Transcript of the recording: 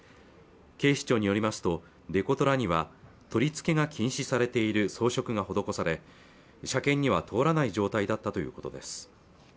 警視庁によりますとデコトラには取り付けが禁止されている装飾が施され車検には通らない状態だったということです